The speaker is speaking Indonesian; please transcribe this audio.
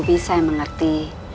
bisa yang mengerti